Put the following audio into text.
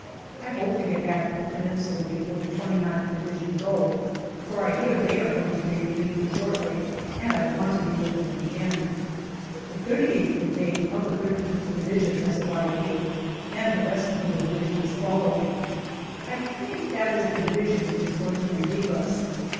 I hope to get back to the Peninsula before the 2Qth Division go, for I hear they are going to be relieved shortly, and I want to be with them at the end. The 38th Brigade of the I3th Division has arrived here, and the rest of the Division is following. I think that is the Division which is going to relieve us.